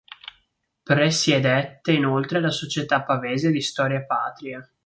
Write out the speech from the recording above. Presiedette inoltre la Società pavese di storia patria.